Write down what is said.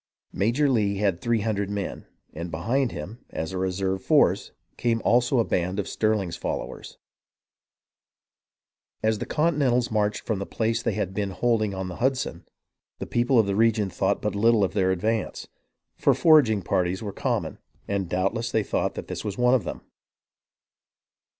Major Lee had three hundred men ; and behind him, as a reserve force, came also a band of Stirling's followers. As the Continentals marched from the place they had been holding on the Hudson, the people of the region thought but little of their advance, for foraging parties were com mon, and doubtless they thought that this was one of them.